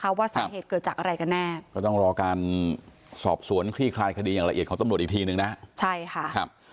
ว่าสาเหตุเกิดจากอะไรกันแน่ก็ต้องรอการสอบสวนคลี่คลายคดีอย่างละเอียดของตำรวจอีกทีนึงนะใช่ค่ะครับ